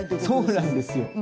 そうなんですよ。